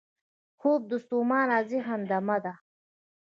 خوب د ستومانه ذهن دمه ده